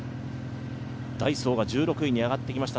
ダイソーが１６位に上がってきました。